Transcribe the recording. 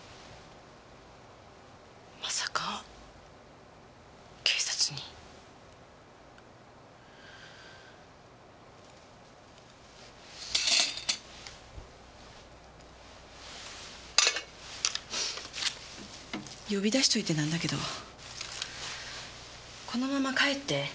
まさか警察に？呼び出しといてなんだけどこのまま帰って。